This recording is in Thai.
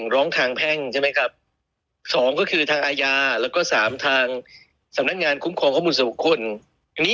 ๑ร้องทางแพ่ง๒ทางอาญา๓ทางสำนักงานคุ้มครองข้อมูลสำคัญ